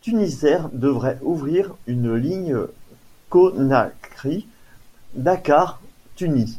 Tunisair devrait ouvrir une ligne Conakry-Dakar-Tunis.